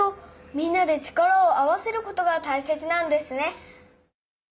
みんなで力を合わせることがたいせつなんですね。